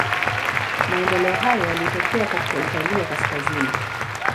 Maendeleo hayo yalitokea katika Italia kaskazini.